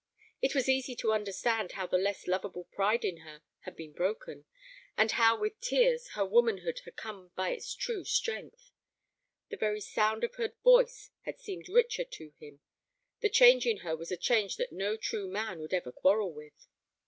It was easy to understand how the less lovable pride in her had been broken, and how with tears her womanhood had come by its true strength. The very sound of her voice had seemed richer to him; the change in her was a change that no true man would ever quarrel with.